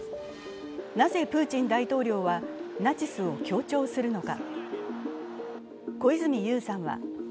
なぜプーチン大統領はナチスを強調するのか。